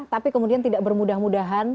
tapi kemudian tidak bermudah mudahan